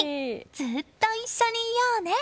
ずっと一緒にいようね！